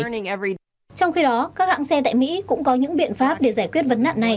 trong khi đó các hãng xe tại mỹ cũng có những biện pháp để giải quyết vấn nạn này